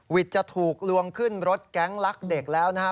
จะถูกลวงขึ้นรถแก๊งลักเด็กแล้วนะครับ